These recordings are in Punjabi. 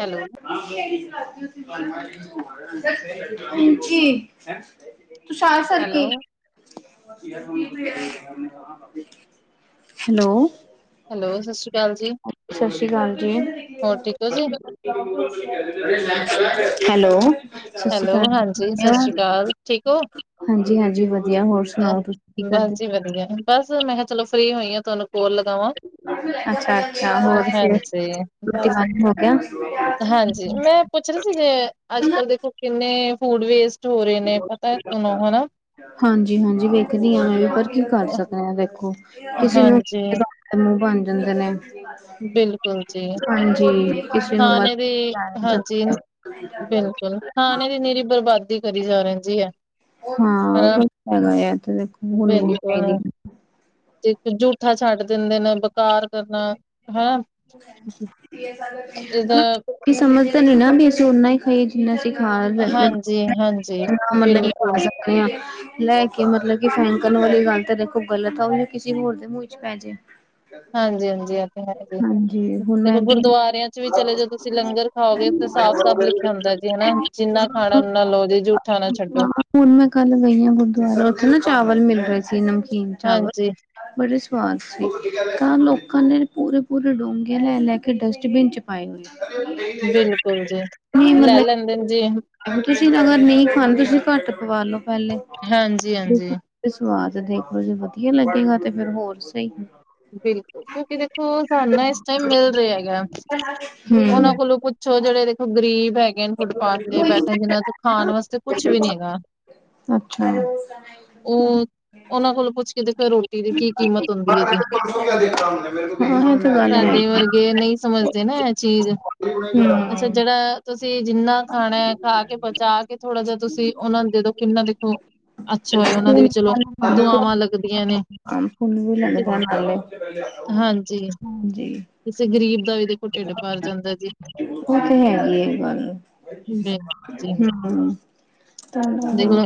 ਹੈਲੋ, ਦੇ [unintelligible] [unintelligible] ਹਕੀ [unintelligible] [unintelligible] ਤੂੰਸ਼ਾਰ ਹੈਲੋ, ਸਾਰਖੀ [unintelligible] [unintelligible] ਹੈਲੋ। ਹੈਲੋ ਸਤਿ ਸ੍ਰੀ ਕਾਲ ਜੀ, ਹੋਰ ਠੀਕ ਹੋ ਜੀ [unintelligible] ਹੈਲੋੋਓਓ ਸਤਿ ਸ੍ਰੀ ਹੈਲੋ ਅਕਾਲ ਹਾਂਜੀ ਸਤਿ ਸ਼੍ਰੀ ਅਕਾਲ ਠੀਕ ਹੋ? ਹਾਂਜੀ ਹਾਂਜੀ ਵਧੀਆ ਹੋਰ। ਸੁਣਾਓ ਤੁਸੀਂ ਕੀ ਬਸ ਕਰਦੇ ਜੀ ਵਧੀਆ, ਬਸ ਮੈਂ ਕਿਹਾ ਚਲੋ ਫ੍ਰੀ ਹੋਈ ਹਾਂ ਤੁਹਾਨੂੰ ਕੋਲ ਲਗਾਵਾਂ। ਅੱਛਾ ਅੱਛਾ ਹੋਰ ਫਿਰ ਰੋਟੀ ਹਾਂਜੀ ਪਾਣੀ ਹੋ ਗਿਆ ਹਾਂਜੀ ਮੈਂ। ਪੁੱਛ ਰਹੇ ਸੀ ਜੇ ਅੱਜ ਕੱਲ ਦੇਖੋ ਕਿੰਨੇ ਫੂਡ ਵੇਸਟ ਹੋ ਰਹੇ ਨੇ ਪਤਾ ਤੁਹਨੂੰ ਹਨਾ। ਹਾਂਜੀ-ਹਾਂਜੀ, ਵੇਖਦੀ ਆਂ ਪਰ ਕੀ ਕਰ ਸਕਦੇ ਆਂ ਦੇਖੋ ਕਿਸੀ ਨੂੰ ਹਾਂਜੀ [unintelligible] ਤੇ ਮੂੰਹ ਬਣ ਜਾਂਦੇ ਨੇ। ਬਿਲਕੁਲ ਜੀ, ਹਾਂਜੀ ਕਿਸੇ ਨੂੰ ਹਾਂ ਨੇ ਇਹਨਦੇ ਹਾਂਜੀ ਬਸ [unintelligible] ਬਿਲਕੁਲ ਖਾਣੇ ਦੀ ਮੇਰੀ ਬਰਬਾਦੀ ਕਰੀ ਜਾ ਰਹਿੰਦੀ ਹੈ। ਹਾਂ ਉਹ ਹਨਾ। ਗੱਲ ਹੈਗਾ ਯ ਤਾਂ ਦੇਖੋ ਹੋਣੀ ਨੀ ਬਿਲਕੁਲ ਚਾਹੀਦੀ [unintelligible] ਤੇ ਈਕ ਜੂਠਾ ਛੱਡ ਦਿੰਦੇ ਨੇ, ਬਕਾਰ ਕਰਨਾ ਹੈ ਇਸਦਾ [unintelligible] ਵੀ ਸਮਝਦਾ ਨੀ ਨਾ ਵੀ ਅਸੀਂ ਓਨਾ ਹੀ ਖਾਈਏ ਜਿੰਨਾ ਅਸੀਂ ਖਾ ਲ ਜੀ ਹਾਂਜ- ਮਤਲਬ ਕਰ ਸਕਦੇ ਹਾਂ। ਲੈ ਕੇ ਮਤਲਬ ਕਿ ਫੈਨ ਕਰਨ ਵਾਲੀ ਗੱਲ ਤਾਂ ਦੇਖੋ ਗਲਤ ਆ ਉਹ ਕਿਸੇ ਹੋਰ ਦੇ ਮੂੰਹ ਚ ਪੈ ਜੇ। ਹਾਂਜੀ ਹਾਂਜੀ ਇਹ ਤੇ ਹੈ ਜੇ, ਹਾਂਜੀ ਹੁਣ ਤੇ ਮੈਂ ਏਦਾਂ ਗੁਰਦੁਆਰਿਆਂ ਚ ਵੀ ਚਲੇ ਜੋ ਤੁਸੀਂ ਲੰਗਰ ਖਾਓਗੇ ਤੇ ਸਾਫ਼ ਸਾਫ਼ ਲਿਖਿਆ ਹੁੰਦਾ ਜੀ ਹਨਾ, ਜਿੰਨਾ ਖਾਣਾ ਹੀ ਉਨਾ ਲਓ ਜੀ ਜੂਠਾ ਨਾ ਛੱਡੋ ਹਾਂ ਹੁਣ ਮੈਂ ਕੱਲ ਗਈ ਹਾਂ ਗੁਰਦੁਆਰੇ ਉੱਥੇ ਨਾ ਚਾਵਲ ਮਿਲ ਰਹੇ ਸੀ ਨਮਕੀਨ ਚਾਵਲ। ਹਾਂਜੀ ਬੜੇ ਸਵਾਦ ਸੀ ਤਾਂ ਲੋਕਾਂ ਨੇ ਪੂਰੇ ਪੂਰੇ ਡੋਂਗੇੇ ਲੈ ਲੈ ਕੇ ਡਸਟਬਿਨ ਚ ਪਾਏ ਹੋਏ। ਬਿਲਕੁਲ ਜੀ ਨਈ ਲੈ ਮਤਲਬ ਲੈਂਦੇ ਨੇ ਜੀ ਤੁਸੀਂ ਅਗਰ ਨਹੀਂ ਖਾਂਦੇ, ਤੁਸੀਂ ਘੱਟ ਪਵਾ ਲਓ ਪਹਿਲੇ। ਹਾਂਜੀ ਹਾਂਜੀ ਸਵਾਦ ਦੇਖੋ ਜੇ ਵਧੀਆ ਲੱਗੇਗਾ ਤੇ ਫਿਰ ਹੋਰ ਸਹੀ। ਬਿਲਕੁਲ ਕਿਉਂਕਿ ਦੇਖੋ ਸਾਨੂੰ ਇਸ ਟਾਈਮ ਮਿਲ ਰਿਹਾ ਹੈਗਾ। ਉਹਨਾਂ ਹਮ ਕੋਲੋਂ ਪੁੱਛੋ ਜਿਹੜੇ ਦੇਖੋ ਗਰੀਬ ਹੈਗੇ ਨੇ, ਫੁੱਟਪਾਥ ਤੇ ਬੈਠੇ ਨ ਜਿ। ਨਾਂ ਖਾਣ ਵਾਸਤੇ ਕੁੱਛ ਵੀ ਨੀ ਹੈਗਾ। ਅੱਛਾ ਜ ਉਹ ਉਹਨਾਂ ਕੋਲੋਂ ਪੁੱਛ ਕੇ ਦੇਖੋ ਰੋਟੀ ਦੀ ਕੀ ਕੀਮਤ ਹੁੰਦੀ ਹੈ ਜੀ। [unintelligible] ਸਾਡੇ ਵਰਗੇ ਨਹੀਂ ਸਮਝਦੇ ਨਾ ਇਹ ਚੀਜ਼ ਅੱਛਾ। ਜਿਹੜਾ ਤੁਸੀਂ ਜਿੰਨਾ ਖਾਣਾ ਖਾ ਕੇ ਬਚਾ ਕੇ ਥੋੜਾ ਜਿਹਾ ਤੁਸੀਂ ਉਹਨਾਂ ਨੂੰ ਦੇ ਦੋ ਕਿੰਨਾ ਦੇਖੋ। ਅੱਛਾ ਹੋਏ ਉਹਨਾਂ ਦੀ ਵੀ ਚਲੋ ਦੁਆਵਾਂ ਲੱਗਦੀਆਂ ਨੇ ਅੰਬ ਔਬ ਵੀ ਲੈ ਹਾਂਜੀ। ਹਾਂਜੀ ਕਿਸੇ ਗ਼ਰੀਬ ਦਾ ਵੀ ਦਾ ਦੇਖੋ ਢਿੱਡ ਭਰ ਜਾਂਦਾ ਜੀ। ਓ ਤੇ ਹੈ। ਇਹ ਗੱਲ ਬਿਲ- ਜੀ 'ਹਮ ਦੇਖਲੋ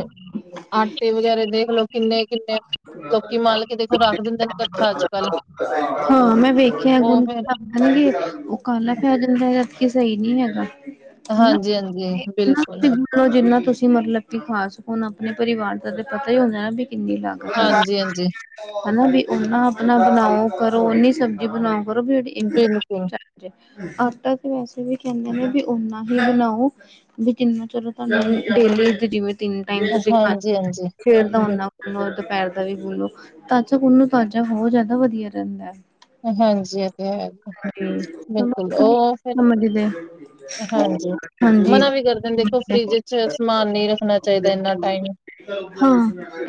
ਆਟੇ ਵਗੈਰਾ ਦੇਖਲਓ ਕਿੰਨੇ ਕਿੰਨੇ ਲੋਕੀ ਮਾਲਕ ਦੇ ਰੱਖ ਦਿੰਦੇ ਨੇ ਇਕੱਠਾ ਅੱਜ ਕੱਲ੍ਹ। ਹਾਂ ਮੈਂ ਦੇਖਿਆ ਹੁਣ ਗੇ ਉਹ ਕਾਲਾ ਪੈ ਜਾਂਦਾ ਜਦਕਿ ਸਹੀ ਨਹੀਂ ਹੈਗਾ। ਹਨਾ ਹਾਂਜੀ ਹਾਂਜੀ ਬਿਲਕੁਲ। ਜਿੰਨਾ ਤੁਸੀਂ ਮਤਲਬ ਕਿ ਖਾ ਸਕੋ ਨਾ ਆਪਣੇ ਪਰਿਵਾਰ ਦਾ ਤੇ ਪਤਾ ਹੀ ਹੁੰਦਾ ਨਾ ਵੀ ਕਿੰਨੀ ਲਾਗ ਹਾਂਜੀ ਹਾਂਜੀ ਹਨਾ ਵੀ ਓਨਾ ਆਪਣਾ ਬਣਾਓ ਕਰੋ ਓਨੀ ਸਬਜ਼ੀ ਬਣਾਓ। ਮਤਲਬ ਤੁਹਾਡੀ ਇੱਕ। ਬਿਲਕੁਲ ਆਟਾ ਤੇ ਵੈਸੇ ਵੀ ਕਹਿੰਦੇ ਹਾ, ਨੀ ਵੀ ਓਨਾ ਹੀ ਬਣਾਓ। ਵੀ ਜਿੰਨਾ ਚਿਰੋ ਤੁਹਾਨੂੰ ਡੇਲੀ ਜਿਵੇਂ ਤਿੰਨ ਟਾਈਮ ਤੁਸੀਂ ਹਾਂਜੀ, ਖਾਣੀ ਹਾਂਜੀ ਐ, ਫਿਰ ਇਦਾਂ ਬਿਲ ਹੁੰਦਾ ਦੁਪਹਿਰ ਦਾ ਵੀ ਗੁਨ ਲੋਂ, ਤਾਜ਼ਾ ਗੁਨੋ ਤਾਜ਼ਾ ਹੋਰ ਬਹੁਤ ਜ਼ਿਆਦਾ ਵਧੀਆ ਰਹਿੰਦਾ ਹੈ। ਹਾਂਜੀ ਇਦਾਂ ਹੀ ਹੈ। ਮਮਾ ਬਿਲਕੁਲ ਕਿਥੇ ਨੇ, ਉਹ ਫਿਰ ਮਮਾ ਜੀ ਗਏ ਹਾਂਜੀ। ਹਾਂਜੀ, ਮਨਾ ਵੀ ਕਰਦੇ ਨੇ ਦੇਖੋ ਫਰਿੱਜ ਚ ਸਮਾਨ ਨਹੀਂ ਰੱਖਣਾ ਚਾਹੀਦਾ ਇੰਨਾ ਟਾਈਮ ਹਾਂ,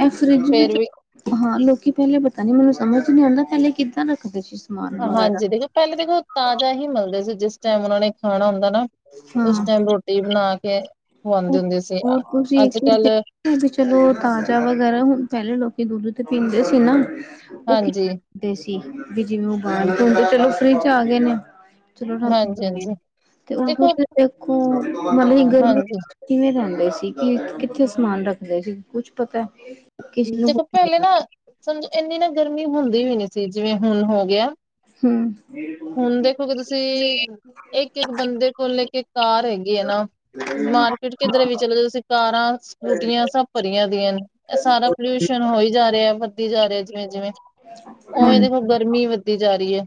ਅਕਚੂਲੀ ਜਿਵੇੰ ਫੇਰ ਵੀ ਜੀ ਹਾਂ ਲੋਕੀ ਪਹਿਲੇ ਪਤਾ ਨੀ ਮੈਨੂੰ ਸਮਝ ਨੀ ਆਉਂਦਾ, ਪਹਿਲੇ ਕਿੱਦਾਂ ਰੱਖਦੇ ਸੀ ਸਮਾਨ ਵਗੈਰਾ। ਹਾਂਜੀ ਦੇਖੋ ਪਹਿਲੇਾਂ ਦੇਖੋ ਤਾਜ਼ਾ ਹੀ ਮਲਦੇ ਸੀ, ਜਿਸ ਟਾਈਮ ਉਹਨਾ ਨੇ ਖਾਣਾ ਹੁੰਦਾ ਨਾ, ਉਸ ਹਾਂ ਟਾਈਮ ਰੋਟੀ ਰੋਟੀ ਬਣਾ ਕੇ ਖਵਾਂਦੇ ਉਹ ਹੁੰਦੇ ਸੀ ਹੋਰ ਤੁਸੀਂ ਇੱਕ ਅੱਜ ਚੀਜ਼ ਕੱਲ ਦੇਖੀ ਵੀ ਚਲੋ ਤਾਜ਼ਾ ਵਗੈਰਾ ਹੁਣ ਪਹਿਲੇ ਲੋਕੀ ਦੁੱਧ ਤੇ ਪੀਂਦੇ ਸੀ ਨਾ ਹਾਂਜੀ ਹੁੰਦੇ ਸੀ ਵੀ, ਜਿਵੇਂ ਉਹ ਬਾਲਦੇ ਹੁੰਦੇ ਸੀ, ਹੁਣ ਚਲੋ ਫਰਿੱਜ ਆ ਗਏ ਨੇ। ਚਲੋ ਰੱਖ ਹਾਂਜੀ, ਦਿੰਦੇ ਹਾਂਜੀ ਤੇ ਹੁਣ ਦੇਖੋ ਤੁਸੀਂ ਦੇਖੋ ਮਤਲਬ ਗਰਮੀ ਹਾਂਜੀ ਕਿਵੇਂ ਰਹਿੰਦੇ ਸੀ, ਕਿ ਕਿੱਥੇ ਸਮਾਨ ਰੱਖਦੇ ਸੀ, ਕੁੱਛ ਪਤਾ ਕਿਸੇ ਨੂੰ ਦੇਖੋ ਕੁਛ ਪਹਿਲੇ ਨਾ ਸਮਝੋ ਇੰਨੀ ਨਾ ਗਰਮੀ ਹੁੰਦੀ ਵੀ ਨੀ ਸੀ, ਜਿਵੇਂ ਹੁਣ ਹੋ ਗਿਆ। ਹੂ ਹੁਣ ਦੇਖੋਗੇ ਤੁਸੀਂ ਇੱਕ ਇੱਕ ਬੰਦੇ ਕੋਲ ਏ ਕੇ ਕਾਰ ਹੈਗੀ ਹੈ ਨਾ, ਮਾਰਕੀਟ ਕਿੱਧਰੇ ਵੀ ਚਲੇ ਜਾ ਤੁਸੀਂ ਕਾਰਾਂ! ਸਕੂਟੀਆਂ ਸਭ ਭਰੀਆਂ ਦੀਆਂ ਨੇ ਇਹ ਸਾਰਾ ਪੋਲਿਊਸ਼ਨ ਹੋ ਹੀ ਜਾ ਰਿਹਾ ਹੈ, ਵੱਧਦੀ ਜਾ ਰਿਹਾ ਜਿਵੇਂ ਜਿਵੇਂ ਉਵੇਂ ਦੇਖੋ ਗਰਮੀ ਵੱਧਦੀ ਜਾ ਰਹੀ ਹੈ।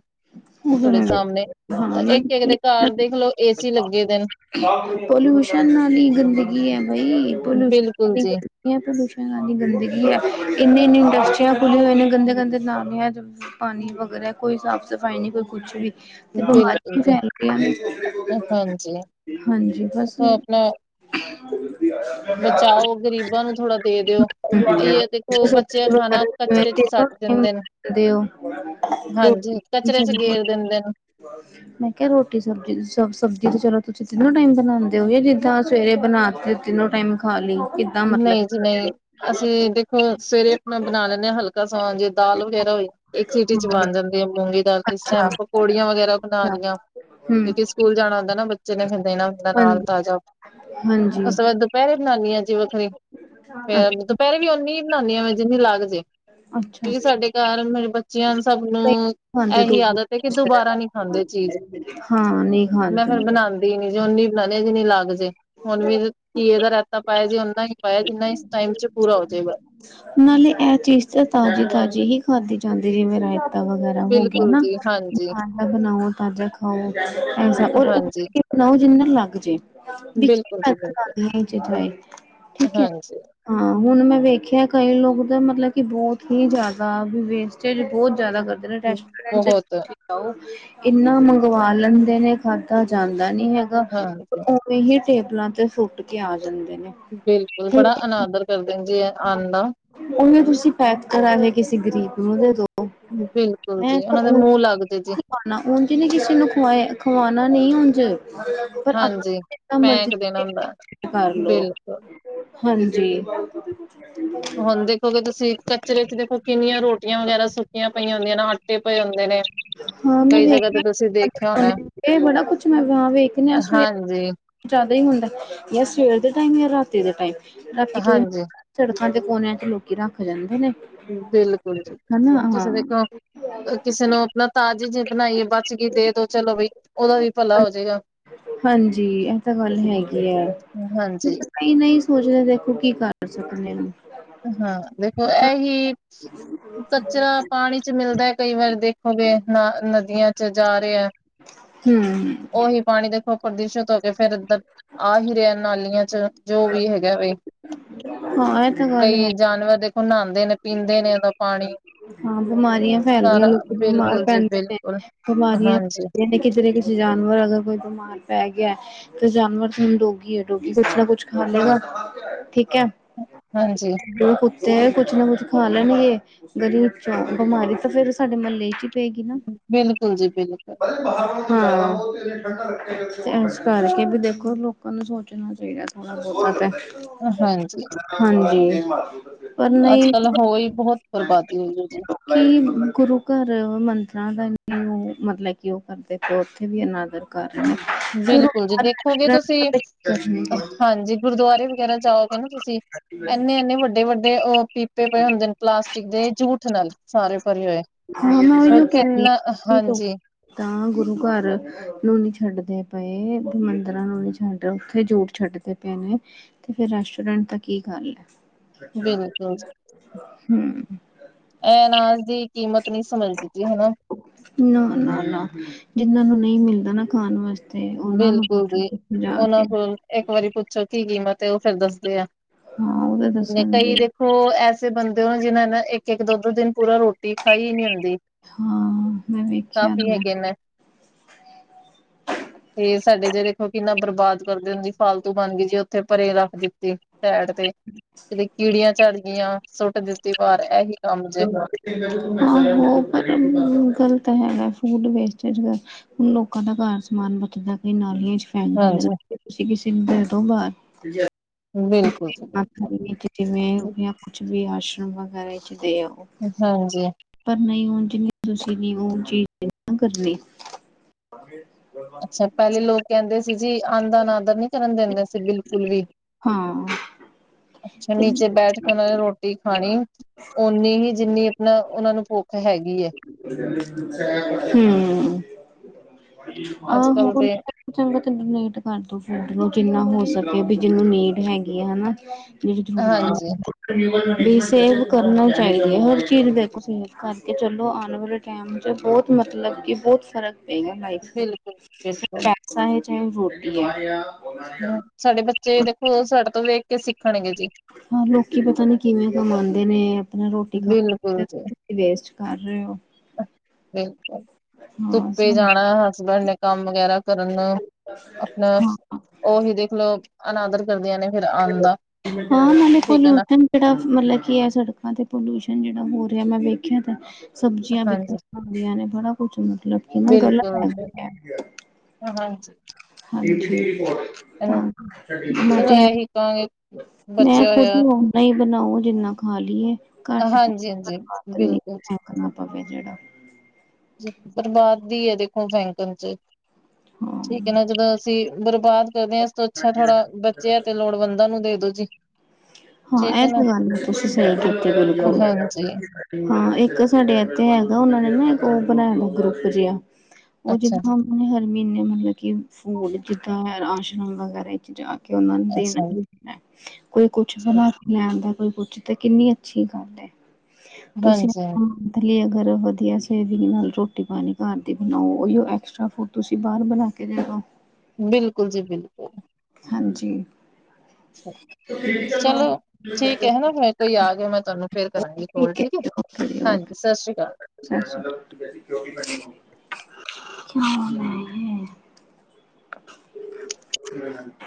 ਤੁਹਾਡੇ ਹਾਂਜੀ ਸਾਹਮਣੇ, ਉਹ ਇੱਕ ਇੱਕ ਦੇ ਹਾਂ ਘਰ ਦੇਖਲੋ ਏਸੀ ਲੱਗੇ ਦੇ ਨੇ। ਪੋਲਿਊਸ਼ਨ ਨਾਲ ਈ ਗੰਦਗੀ ਹੈ ਬਾਈ, ਬਿਲਕੁਲ ਪੋਲਿਊਸ਼ਨੀ ਜੀ। ਗ ਪੋਲਿਯੂਸ਼ਨ ਨਾਲ ਇ ਗੰਦਗੀ ਹੈ, ਇੰਨੀ ਇੰਨੀ ਇੰਡਸਟਰੀਆਂ ਖੁੱਲ੍ਹੀਆਂ ਹੋਈਆਂ ਨੇ ਗੰਦੇ ਗੰਦੇ ਨਾਮ ਪਾਣੀ ਵਗਦਾ ਐ, ਕੋਈ ਸਾਫ਼ ਸਫ਼ਾਈ ਨਹੀਂ ਕੋਈ ਕੁਛ ਵੀ। ਤੇ ਬਿਮਾਰੀ ਬਿਲਕੁਲ ਵੀ ਜੀ ਫੈਲ ਗਈਆਂ। ਹਾਂਜੀ ਹਾਂਜੀ ਬਸ ਆਪਣਾ ਬਚਾਓ, ਗ਼ਰੀਬਾਂ ਨੂੰ ਥੋੜਾ ਦੇ ਦਿਓ। [inaudible] ਇਹ ਦੇਖੋ ਬੱਚੇ ਬਿਲਕੁਲ ਖਾਣਾ ਕਚਰੇ ਚ ਸੱਟ ਦਿੰਦੇ ਨੇ। ਹਾਂਜੀ ਕਚਰੇ ਕਿ ਚ ਗੇਰ ਦਿੰਦੇ ਨੇ ਮੈਂ ਕਿਹਾ ਰੋਟੀ ਸਬਜ਼ੀ ਸ, ਸਬਜ਼ੀ ਤੇ ਚਲੋ ਤੁਸੀਂ ਤਿੰਨੋ ਟਾਈਮ ਬਣਾਉਂਦੇ ਹੋ, ਜਿੱਦਾਂ ਸਵੇਰੇ ਬਣਾ ਤੇ ਤਿੰਨੋ ਟਾਈਮ ਖਾਲੀ ਕਿੱਦਾਂ ਨਹੀਂ ਜੀ ਮਤਲਬ ਨਹੀਂ। ਅਸੀਂ ਦੇਖੋ ਸਵੇਰੇ ਆਪਣਾ ਬਣਾ ਲੈਂਦੇ ਹਾਂ ਹਲਕਾ ਸਮਾਨ ਜੇ ਦਾਲ ਵਗੈਰਾ ਹੋਈ। ਇੱਕ ਸਿਟੀ ਚ ਬਣ ਜਾਂਦੀ ਆ ਮੂੰਗੀ ਦਾਲ, ਕਿਸੀ ਅੱਛਾ, ਟਾਈਮ ਪਕੌੜੀਆਂ ਵਗੈਰਾ ਬਣਾ ਲਈਆਂ ਹੂ ਕਿਉਂਕਿ ਸਕੂਲ ਜਾਣਾ ਹੁੰਦਾ ਨਾ ਬੱਚੇ ਨੇ ਫਿਰ ਦੇਣਾ ਹੁੰਦਾ ਨਾਲ ਤਾਜ਼ਾ, ਹਾਂਜੀ। ਉਸ ਤੋਂ ਬਾਅਦ ਦੁਪਹਿਰੇ ਬਨਾਨਨੀ ਆਂ, ਜਿਵੇਂ ਫੇਰ ਅੱਛਾ, ਦੁਪਹਿਰੀ ਵੀ ਓਨੀ ਹੀ ਬਣਾਉਂਦੀ ਹਾਂ ਮੈਂ ਜਿੰਨੀ ਲੱਗ ਜੇ। ਅੱਛਾ, ਕਿਉਂਕਿ ਸਾਡੇ ਅੱਛਾ। ਘਰ ਮੇਰੇ ਬੱਚਿਆਂ ਸਭ ਕਈ ਨੂੰ ਖਾਂਦੇ ਇਹੀ ਦੂਰ ਆਦਤ ਹੈ ਕਿ, ਦੁਬਾਰਾ ਨੀ! ਖਾਂਦੇ ਚੀਜ਼, ਹਾਂ, ਨਹੀਂ ਮੈਂ ਖਾਂਦੇ। ਫਿਰ ਬਣਾਉਦੀ ਨੇ। ਬਣਾਂਦੀ ਨੀ, ਜੀ ਉਨੀ ਹੀ ਬਣਾਉਦੇ ਆ, ਜੀਨੀ ਲੱਗ ਜੇ, ਹੁਣ ਵੀ ਘੀਏ ਦਾ ਰਾਇਤਾ ਪਾਇਆ ਜੇ ਪਾਇਆ ਜਿੰਨਾ ਇਸ ਟਾਈਮ ਚ ਪੂਰਾ ਹੋ ਜਾਵੇਗਾ। ਨਾਲੇ ਇਹ ਚੀਜ਼ ਤਾਂ ਤਾਜ਼ੀ ਤਾਜ਼ੀ ਹੀ ਖਾਧੀ ਜਾਂਦੀ ਜਿਵੇਂ ਵਾ ਵਗੈਰਾ ਹੋ ਗਿਆ ਬਿਲਕੁਲ ਨਾ ਜੀ ਹਾਂਜੀ ਤਾਜ਼ਾ ਬਣਾਓ ਤਾਜ਼ਾ ਖਾਓ, ਐਸਾ ਓਨਾ ਹਾਂਜੀ, ਬਣਾਓ ਜਿੰਨਾ ਲੱਗ ਜੇ ਵਿਚ ਨੀ ਬਿਲਕੁਲ ਜੀ ਮੈਟਰ ਬਿਲਕੁਲ, ਕਰਦਿਆਂ ਚੀਜ਼ਾਂ ਏ, ਠੀਕ ਐ ਹਾਂਜੀ। ਹਾਂ ਹੁਣ ਮੈਂ ਵੇਖਿਆ ਕਈ ਲੋਕ ਤਾਂ ਮਤਲਬ ਕਿ ਬਹੁਤ ਹੀ ਜ਼ਿਆਦਾ, ਵੀ ਵੇਸਟੇਜ ਬਹੁਤ ਜ਼ਿਆਦਾ ਕਰਦੇ। ਰੈਸਟੋਰੈਂਟ ਚ ਬਹੁਤ ਇੰਨਾ ਮੰਗਵਾ ਲੈਂਦੇ ਨੇ, ਖਾਧਾ ਜਾਂਦਾ ਨੀ ਹੈਗਾ। ਹਾਂਜੀ, ਉ ਹੀ ਟੇਬਲਾਂ ਤੇ ਸੁੱਟ ਕੇ ਆ ਜਾਂਦੇ ਨੇ, ਬਿਲਕੁਲ ਠੀਕ ਬੜਾ ਹੈ ਅਨਾਦਰ ਕਰਦੇ ਨੇ ਜੀ। ਆਉਣ ਦਾ। ਉਵੇਂ ਤੁਸੀਂ ਪੈਕ ਕਰਾ ਲਏ ਕਿਸੇ ਗ਼ਰੀਬ ਨੂੰ ਦੇ ਦੋ। ਬਿਲਕੁਲ ਮੈਂ ਜੀ ਪਰ ਉਹਨਾਂ ਦੇ ਉ ਮੂੰਹ ਲੱਗਦੇ ਜੀ। ਖਵਾਣਾ ਉੱਝ ਨੀ ਕਿਸੇ ਨੂੰ ਖਵਾਏ ਖਵਾਣਾ ਨਹੀਂ। ਉਂਝ ਹਾਂਜੀ ਪੈਂਕ ਦੇਣਾ ਹੁੰਦਾ। ਕਰ ਲੋ ਬਿਲਕੁਲ ਹਾਂਜੀ। ਹ। ਹੁਣ ਦੇਖੋਗੇ। ਤੁਸੀਂ ਕਚਰੇ ਚ ਦੇਖੋ ਕਿੰਨੀਆਂ ਰੋਟੀਆਂ ਵਗੈਰਾ ਸੁੱਕੀਆਂ ਪਈਆਂ ਹੁੰਦੀਆਂ ਨੇ। ਆਟੇ ਪਏ ਹੁੰਦੇ ਨੇ। ਹਾਂ ਮੈਂ ਕਈ ਜਗ੍ਹਾ ਤੇ ਤੁਸੀਂ ਦੇਖਿਆ ਹੋਣਾ, ਵੇਖ ਬੜਾ ਕੁੱਛ ਮੈਂ ਵੇਖਦੇ ਆਂ। ਸਵੇਰੇ ਹਾਂਜੀ, ਜ਼ਿਆਦਾ ਹੀ ਹੁੰਦਾ ਜਾਂ ਸਵੇਰ ਦੇ ਟਾਈਮ ਜਾਂ ਰਾਤੀ ਦੇ ਟਾਈਮ ਰਾਤੀ ਕੋਈ। ਹਾਂਜੀ ਸੜਕਾਂ ਤੇ ਕੋਨਿਆਂ ਚ ਲੋਕੀ ਰੱਖ ਜਾਂਦੇ ਨੇ। ਬਿਲਕੁਲ ਬਿਲਕੁਲ ਹਨਾ ਹੁਣ ਹਾਂ ਤੁਸੀਂ ਦੇਖੋ। ਕਿਸੇ ਨੂੰ ਆਪਣਾ ਤਾਜ਼ੇ ਜਾ ਬਣਾਈਏ ਬਚ ਗਈ ਦੇ ਦੋ ਚਲੋ ਬਈ। ਉਹਦਾ ਵੀ ਭਲਾ ਹੋਜੇਗਾ। ਹਾਂਜੀ। ਇਹ ਤਾਂ ਗੱਲ ਹੈਗੀ ਆਂ। ਹਾਂਜੀ। ਕਈ ਨਹੀਂ ਸੋਚਦੇਂ ਦੇਖੋਂ ਕੀ ਕਰ ਸਕਦੇ ਹਾਂ। ਹਾਂ। ਦੇਖੋ ਇਹੀ ਕਚਰਾ ਪਾਣੀ ਚ ਮਿਲਦਾ। ਕਈ ਵਾਰ ਦੇਖੋਂਗੇ ਨਾਂ ਨਦੀਆਂ ਚ ਜਾ ਰਿਹਾ। ਹਮ। ਸੀ। ਪਾਣੀ ਦੇਖੋ ਪ੍ਰਦੂਸ਼ਿਤ ਹੋ ਕੇ ਫੇਰ ਇਹ ਆਹੀ ਰਿਆ ਨਾਲੀਆਂ ਚ ਜੋ ਵੀ ਹੈਗਾ ਵੇ। ਹਾਂ ਇਹ ਤਾਂ। ਗੱਲ ਹੈ ਕਈ ਜਾਨਵਰ ਦੇਖੋ 'ਨਹਾਉਂਦੇ ਨੇ। ਪੀਂਦੇ ਨੇ ਉਹਦਾ ਪਾਣੀ। ਹਾਂ ਬਿਮਾਰੀਆਂ ਫੈਲਦੀਆਂ ਸਾਰਾ ਲੋਕੀ ਬਿਮਾਰ ਬਿਲਕੁਲ ਜੀ ਪੈਂਦੇ ਨੇ। ਬਿਲਕੁਲ ਬਿਮਾਰੀਆਂ ਹਾਂਜੀ ਫੈਦੀਆਂ ਨੇ ਕਿਧਰੇ ਕਿਧਰੇ। ਜਾਨਵਰ ਅਗਰ ਕੋਈ ਬਿਮਾਰ ਪੈਂ ਗਿਆ। ਤੇ ਜਾਨਵਰ ਜਿਸ ਤਰ੍ਹਾਂ ਹੁਣ ਰੋਗੀ ਹੈਂ। ਰੋਗੀ ਕੁੱਛ ਨਾ ਕੁੱਛ ਖਾ ਲਏਗਾ ਠੀਕ ਹੈ। ਹਾਂਜੀ ਦੋ ਕੁੱਤੇ ਕੁਛ ਨਾ ਕੁਛ ਖਾ ਲੈਣਗੇ। ਗਰੀਬ ਅੱਛਾ। ਬਿਮਾਰੀ ਤਾਂ ਫੇਰ ਸਾਡੇ ਮਹੱਲੇ ਚ ਹੀ ਪਏਗੀ ਨਾ। ਬਿਲਕੁਲ ਜੀ ਬਿਲਕੁਲ ਹਾਂ। ਤੇ ਇਸ ਕਰਕੇ ਵੀ ਦੇਖੋ ਲੋਕਾਂ ਨੂੰ ਸੋਚਣਾ ਚਾਹੀਦਾ। ਹੋ ਬਹੁਤ ਤੇ। ਹਾਂਜੀ। ਹਾਂਜੀ ਪਰ ਅੱਜ ਨਹੀਂ ਕੱਲ ਹੋਈ ਬਹੁਤ ਬਰਬਾਦੀ ਹੋਈ। ਉਹਦੇ ਵਿੱਚ ਕੀ ਗੁਰੂ ਘਰ ਮੰਤਰਾਂ ਦਾ ਉਹ ਮਤਲਬ ਕਿ ਉਹ ਕਰਦੇ। ਉੱਥੇ ਵੀ ਇਨਾ ਦਾ ਘਰ ਨੇ ਫਿਰ ਬਿਲਕੁਲ ਜੀ। ਦੇਖੋਗੇ ਤੁਸੀਂ ਕਰਨਗੇ ਹਾਂਜੀ ਗੁਰਦੁਆਰੇ ਵਗੈਰਾ ਜਾਓਗੇ ਨਾਂ। ਤੁਸੀਂ ਐਨੇ ਐੰਨੇ ਵੱਡੇ ਵੱਡੇ ਉਹ ਪੀਪੇ ਪਏ ਹੁੰਦੇ ਨੇ। ਪਲਾਸਟਿਕ ਦੇ ਜੂਠ ਨਾਲ ਸਾਰੇ ਭਰੇ ਹੋਏ। ਹੂੰ ਹੂੰ ਕਰਦੀ ਕਿੰਨਾ ਪੀ ਕੋ। ਹਾਂਜੀ ਤਾਂ ਗੁਰੂ ਘਰ ਨੂੰ ਨੀ ਛੱਡਦੇ ਪਏ ਮੰਦਿਰਾਂ ਨੂੰ ਨੀ ਛੱਡ ਉੱਥੇ ਜੂਠ ਛੱਡ। ਪਏ ਨੇ। ਤੇ ਫਿਰ ਰੈਸਟੋਰੈਂਟਸ ਤਾਂ ਕੀ ਗੱਲ ਹੈ। ਬਿਲਕੁਲ। ਹੂੰ ਇਹ ਅਨਾਜ਼ ਦੀ ਕੀਮਤ ਨਹੀਂ ਸਮਝਦੀ ਸੀ। ਹਨਾ ਨਾ ਨਾ ਨਾ ਜਿੰਨਾਂ ਨੂੰ ਨਹੀਂ ਮਿਲਦਾ ਨਾ ਖਾਣ ਵਾਸਤੇ। ਤੇ ਉਹਨਾਂ ਬਿਲਕੁਲ ਜੀ। ਨੂੰ ਜਾ ਉਹਨਾਂ ਕੇ। ਕੋਲ ਇੱਕ ਵਾਰੀ ਪੁੱਛੋ ਕੀ ਕੀਮਤ ਹੈਂ। ਉਹ ਫੇਰ ਦੱਸਦੇ ਆ ਹਾਂ ਉਹ ਤਾਂ ਦੱਸਣਗੇ ਕਈਂ ਦੇਂਖ ਹੋ ਐਸੇ ਬੰਦੇ ਹੋਂ। ਜਿਹਨ੍ਹਾਂ ਨੇ ਇੱਕ ਇੱਕ ਦੋ ਦੋ ਦਿਨ ਪੂਰਾ ਰੋਟੀ ਖਾਈ ਨੀ ਹੁੰਦੀ। ਹਾਂ ਮੈਂ ਵੇਖਿਆ ਕਾਫ਼ੀ ਮੈਂ ਹੈਗੇ ਨੇਂ। ਤੇ ਸਾਡੇ ਜੇ ਦੇਖੋ ਕਿੰਨਾ ਬਰਬਾਦ ਕਰਦੇ ਹੁੰਦੀ ਫਾਲਤੂ ਬਣ ਗਈ ਜੇ ਉੱਥੇ ਪਰੇ ਰੱਖ ਦਿੱਤੀ। ਸੈਡ ਤੇ ਜ ਕੀੜੀਆਂ ਝਾੜ ਗਈਆਂ ਸੁੱਟ ਦਿੱਤੀ। ਵਾਰ ਇਹੀ ਕੰਮ ਜੇ ਹਾਂ। ਪਰ ਗਲਤ ਹੈਗਾ ਫੂਡ ਵੇਸਟਇੰਡੀਜ ਕਰਨਾ ਹੁਣ ਲੋਕਾਂ ਦਾ ਘਰ ਸਮਾਨ ਬਦਲਦਾ ਕਈ ਨਾਲੀਆਂ ਚ। ਹਾਂਜੀ ਤੁਸੀਂ ਕਿਸੇ ਨੂੰ ਦੇ ਦੋ ਬਾਹਰ। ਬਿਲਕੁਲ। ਜੀ ਆਖਣ ਬਿਲਕੁਲ ਦੀ ਜਿਵੇਂ ਪੁੱਛ ਕੇ ਵੀ ਆਸ਼ਰਮ ਬਣ ਕੇ ਤਿਆਰ ਹੋ। ਹਾਂਜੀ। ਪਰ ਨਹੀਂ ਹੁਣ ਜਿੰਨੀ ਤੁਸੀਂ ਨਾਂ ਉਹ ਚੀਜ਼ ਕਰਨੀ। ਆਦੇਸ਼ ਕਰਾ। ਅੱਛਾ ਪਹਿਲੇ ਲੋਕ ਕਹਿੰਦੇ ਸੀ, ਜੀ ਅੰਨ ਦਾ ਅਨਾਦਰ ਨੀ ਕਰਨ ਦਿੰਦੇ ਸੀ, ਬਿਲਕੁਲ ਵੀ। ਹਾਂ। ਅੱਛਾ, ਨੀਚੇ ਬੈਠ ਕੇ ਉਹਨਾਂ ਨੇ ਰੋਟ ਰੋਟੀ ਖਾਣੀ, ਓਨੀ ਹੀ ਜਿੰਨੀ ਆਪਣਾ ਉਹਨਾ ਨੂੰ ਭੁੱਖ ਹੈਗੀ ਏ। ਹੂੰ, ਅੱਜ ਕੱਲ ਆਹ [inaudible] ਤੇ ਚੰਗਾ ਤੇ ਡੋਨੇਟ ਕਰਦੋ ਫੂਡ ਨੂੰ ਜਿੰਨਾ ਹੋ ਸਕੇ ਵੀ ਜਿਹਨੂੰ ਨੀਡ ਹੈਗੀ ਆ ਹਨਾ। ਜੇੜੀ ਜ਼ਰੂਰਤ ਹਾਂਜੀ ਦੀ ਏ, ਵੀ ਸੇਵ ਕਰਨਾ ਈ ਪੈਣੀ ਏ, ਹਰ ਚੀਜ਼ ਦੇਖੋ ਸੇਵ ਕਿ ਚਲੋ ਆਣ ਵਾਲੇ ਟਾਈਮ ਚ ਬਹੁਤ ਮਤਲਬ ਕਿ ਬਹੁਤ ਫ਼ਰਕ ਪਏਗਾ। ਲਾਈਫ ਦੇ ਬਿਲਕੁਲ ਵਿੱਚ ਬਿਲਕੁਲ ਪੈਸਾ ਐ, ਚਾਹੇ ਓਹ ਰੋਟੀ ਐ। ਹੂੰ, ਸਾਡੇ ਬੱਚੇ ਦੇਖੋ ਸਾਡੇ ਤੋਂ ਵੇਖ ਕੇ ਸਿੱਖਣਗੇ ਜੀ। ਹਾਂ, ਲੋਕੀ ਪਤਾ ਨੀ ਕਿਵੇਂ ਕਮਾਂਦੇ ਨੇ, ਆਪਣਾ ਰੋਟੀ ਖਾਣ ਬਿਲਕੁਲ ਜੀ [inaudible] ਕਰ ਰਹੇ ਹੋ। ਬਿਲਕੁਲ ਹਾਂ ਧੁੱਪੇ ਸਾਨੂੰ ਜਾਣਾ, ਹਸਬੈਂਡ ਨੇ ਕੰਮ ਵਗੈਰਾ ਕਰਨ। ਆਪਣਾ ਹਾਂ ਉਹੀ ਦੇਖ ਲਓ। ਅਨਾਦਰ ਕਰਦੀਆਂ ਨੇ ਫਿਰ ਅੰਨ ਦਾ, ਹਾਂ ਨਾਲੇ ਠੀਕ ਐ ਨਾ। ਪੋਲੂਸ਼ਨ ਜਿਹੜਾ ਮਤਲਬ ਕੀ ਇਹ ਸੜਕਾਂ ਤੇ ਪੋਲੂਸ਼ਨ ਜਿਹੜਾ ਹੋ ਰਿਹਾ, ਮੈਂ ਵੇਖਿਆ ਤੇ ਸਬਜ਼ੀਆਂ ਹਾਂਜੀ ਵਿਖਰੀਆਂ ਖਾਂਦੀਆਂ ਨੇ, ਬੜਾ ਕੁਛ ਮਤਲਬ ਕਿ ਨਾ ਗਲਤ ਬਿਲਕੁਲ ਤੇ, ਹੈਗਾ ਹਾਂਜੀ। ਹਾਂਜੀ। ਤਾਂ ਕਿ ਮੈਂ ਚਲੋ ਤੇ ਐਹ, ਇਹੀ ਕਹਾਂਗੇ ਮੈਂ ਬਚਿਆ ਖੁਦ ਹੋਇਆ ਨੂੰ ਓਹ ਓਨਾ ਈ ਬਣਾਓ ਜਿੰਨਾ ਖਾ ਲਈਏ, ਘੱਟ ਪਵੇ ਹਾਂਜੀ ਹਾਂਜੀ [inaudible] ਜਿਹੜਾ ਬਿਲਕੁਲ ਜੀ ਫੈਂਕਣਾ ਪਵੇ ਜਿਹੜਾ। ਬਰਬਾਦੀ ਹੈ ਦੇਖੋ ਫੈਂਕਣ ਚ, ਠੀਕ ਹੈ ਨਾ ਜਦੋਂ ਅਸੀਂ ਬਰਬਾਦ ਕਰਦੇ ਐਂ, ਇਸ ਤੋਂ ਅੱਛਾ ਥੋੜਾ ਬੱਚਿਆ ਹਾਂ ਤੇ ਲੋੜਵੰਦਾਂ ਨੂੰ ਦੇ ਦੋ ਜੀ। ਹਾਂ ਠੀਕ ਇਹ ਹੈ ਨਾ ਕੋਈ ਗੱਲ ਨੀ, ਤੁਸੀਂ ਸਹੀ ਕੀਤੀ ਬਿਲਕੁਲ। ਹਾਂਜੀ ਹਾਂ, ਇੱਕ ਸਾਡੇ ਇੱਥੇ ਹੈਗਾ ਉਹਨਾਂ ਨੇ ਨਾ ਇੱਕ ਉਹ ਬਣਾਇਆ ਗਰੁੱਪ ਜਿਹਾ, ਉਹ ਅੱਛਾ ਜਿੱਦੋਂ‌ ਜੀ ਹਾਂ ਉਹਨਾਂ ਨੇ ਹਰ ਮਹੀਨੇ ਮਤਲਬ ਕਿ ਫੂਡ ਜਿੱਦਾਂ ਐ, ਰਾਸ਼ਨ ਵਗੈਰਾ ਇਹ ਚੀਜ਼ਾਂ ਕਿ ਉਹਨਾਂ ਨੂੰ ਦੇਣਾ ਅੱਛਾ ਜੀ ਹੀ ਦੇਣਾ, ਕੋਈ ਕੁ ਠੀਕ, ਮੈਮ ਦਾ ਕੋਈ ਪੁੱਛੋ ਕਿ ਕਿੰਨੀ ਅੱਛੀ ਗੱਲ ਐ, ਤੁਸੀਂ ਹਾਂਜੀ ਹੂੰ ਹਾਂਜੀ ਲਈ ਅਗਰ ਵਧੀਆ ਸੇਵਿੰਗ ਨਾਲ ਰੋਟੀ ਪਾਣੀ ਘਰ ਦੀ ਬਣਾਓ, ਉਹੀਓ ਐਕਸਟਰਾ ਫੂਡ ਤੁਸੀਂ ਬਾਹਰ ਬਣਾ ਕੇ ਦੇ ਦੋ। ਬਿਲਕੁਲ ਜੀ ਬਿਲਕੁਲ। ਹਾਂਜੀ। ਅੱਛਾ। ਚਲੋ ਠੀਕ ਐ ਹੈਨਾ, ਫੇਰ ਕੋਈ ਆ ਗਿਆ, ਮੈਂ ਤੁਹਾਨੂੰ ਫੇਰ ਕਰਾਂਗੀ ਕੌਲ ਹੈ ਠੀਕ ਐ। ਜੀ, ਓਕੇ ਜੀ ਓਕੇ ਹਾਂਜੀ, ਸਸ ਰੀ ਕਾਲ। [inaudible] [inaudible]